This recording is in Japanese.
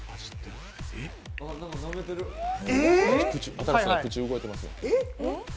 新子さん、口動いてます。